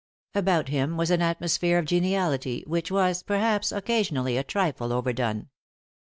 About him was an atmosphere of geniality, which was, perhaps, occasionally a trifle overdone.